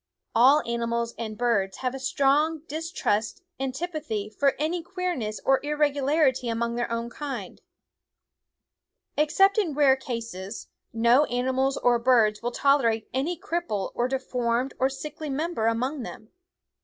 All animals and birds have a strong distrust and ffie vmalsD/e Tfo& ffie 9 SCHOOL OF antipathy for any queerness or irregularity among their own kind. Except in rare cases, no animals or birds will tolerate any cripple or deformed or sickly member among them.